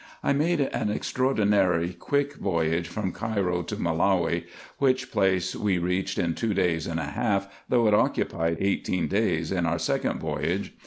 I made an extraordinary quick voyage from Cairo to Melawi, wluch place we reached in two days and a half, though it occupied eighteen days in our second voyage.